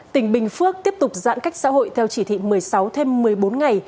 tỉnh bình phước tiếp tục giãn cách xã hội theo chỉ thị một mươi sáu thêm một mươi bốn ngày